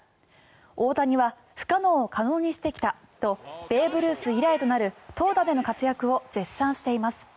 大谷は不可能を可能にしてきたとベーブ・ルース以来となる投打での活躍を絶賛しています。